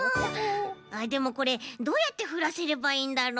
あっでもこれどうやってふらせればいいんだろう？